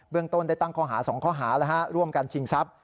ต้นได้ตั้งข้อหา๒ข้อหาร่วมกันชิงทรัพย